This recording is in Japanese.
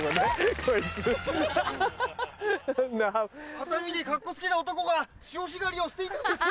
熱海でカッコつけた男が潮干狩りをしているんですよ。